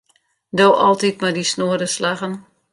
Do altyd mei dyn snoade slaggen.